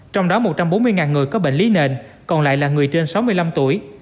trong đó một trăm bốn mươi người có bệnh lý nền còn lại là người trên sáu mươi năm tuổi